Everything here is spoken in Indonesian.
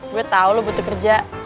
gue tau lo butuh kerja